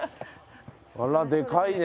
あらでかいね！